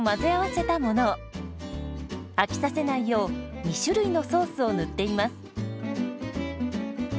飽きさせないよう２種類のソースを塗っています。